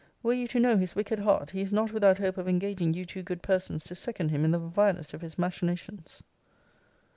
Were you to know his wicked heart, he is not without hope of engaging you two good persons to second him in the vilest of his machinations.'